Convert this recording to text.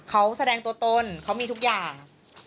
เขาแสดงตัวตนเขามีทุกอย่าง